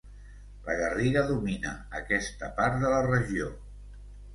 La garriga domina aquesta part de la regió.